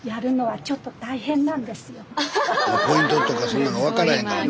スタジオポイントとかそんなん分からへんからね。